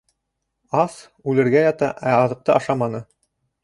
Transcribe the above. Ас, үлергә ята, ә аҙыҡты ашаманы?!